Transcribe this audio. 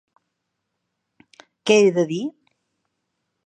Què he de dir?